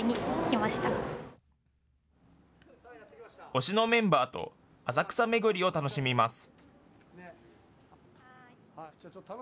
推しのメンバーと浅草巡りを楽しみます。